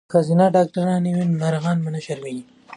که ښځینه ډاکټرانې وي نو ناروغانې نه شرمیږي.